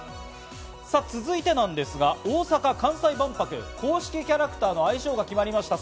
続いてですが、大阪・関西万博公式キャラクターの愛称が決まりました。